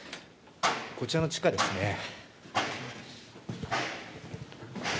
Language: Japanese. こちらの地下ですね。